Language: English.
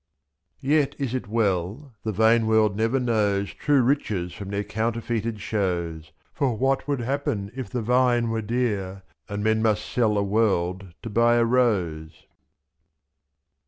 Yet is it well the vain world never knows True riches from their counterfeited shows, ///' For what would happen if the vine were dear. And men must sell a world to buy a rose!